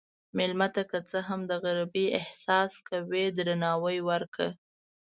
مېلمه ته که څه هم د غریبۍ احساس کوي، درناوی ورکړه.